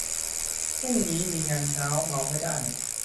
พรุ่งนี้มีงานเช้า เมาไม่ได้